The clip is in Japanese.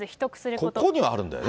ここにはあるんだよね。